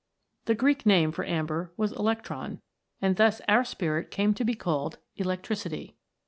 The Greek name for amber was electron, and thus our Spirit came to be called Electricity.